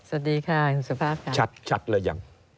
สวัสดีค่ะคุณสุภาพค่ะ